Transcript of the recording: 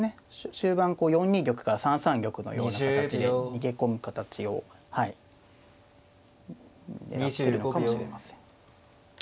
終盤４二玉から３三玉のような形で逃げ込む形を狙ってるのかもしれません。